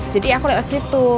jadi aku lewat situ